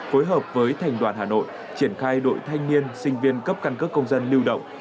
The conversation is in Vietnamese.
phối hợp với thành đoàn hà nội triển khai đội thanh niên sinh viên cấp căn cước công dân lưu động